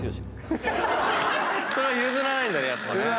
それは譲らないんだねやっぱね。